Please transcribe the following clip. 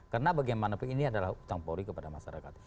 karena bagaimana ini adalah utang polri kepada masyarakat